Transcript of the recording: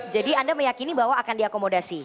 jadi anda meyakini bahwa akan diakomodasi